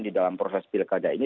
di dalam proses pilkada ini